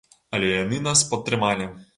Але яны нас падтрымалі.